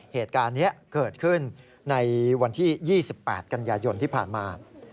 เหตุการณ์นี้เกิดขึ้นในวันที่๒๘กันยายนที่ผ่านมา